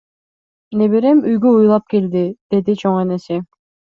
Неберем үйгө ыйлап келди, — деди чоң энеси.